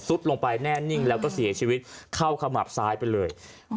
ลงไปแน่นิ่งแล้วก็เสียชีวิตเข้าขมับซ้ายไปเลย